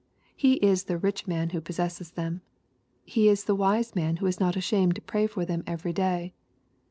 lie is the rich man who possesses them. He is the wise man who is not ashamed to pray for them every day.